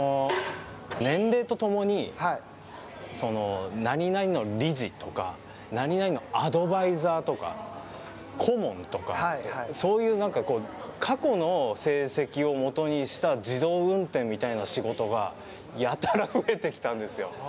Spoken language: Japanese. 年齢とともに、何々の理事とか何々のアドバイザーとか、顧問とか、そういうなんか過去の成績を基にした自動運転みたいな仕事がやたら増えてきたんですよ。